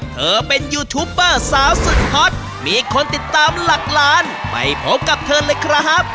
เธอเป็นยูทูปเปอร์สาวสุดฮอตมีคนติดตามหลักล้านไปพบกับเธอเลยครับ